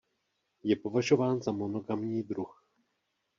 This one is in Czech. Je považován za monogamní druh.